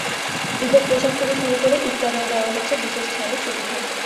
ঈদের পোশাক থেকে শুরু করে ইফতারেও দেওয়া হচ্ছে বিশেষ ছাড়ের সুবিধা।